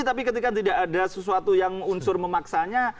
tapi ketika tidak ada sesuatu yang unsur memaksanya